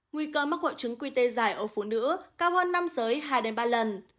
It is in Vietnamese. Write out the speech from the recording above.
nguy cơ mắc hộ trứng quy tê dài ở phụ nữ cao hơn năm giới hai ba lần